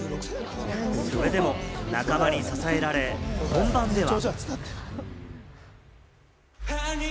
それでも仲間に支えられ、本番では。